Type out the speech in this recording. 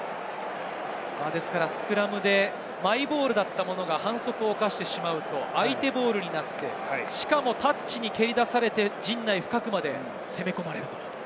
スクラムでマイボールだったものが、反則を犯してしまうと相手ボールになってしかもタッチに蹴り出されて陣内深くまで攻め込まれる。